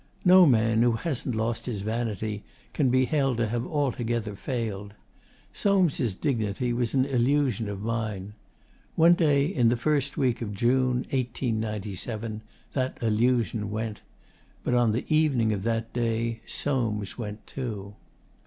No man who hasn't lost his vanity can be held to have altogether failed. Soames' dignity was an illusion of mine. One day in the first week of June, 1897, that illusion went. But on the evening of that day Soames went too.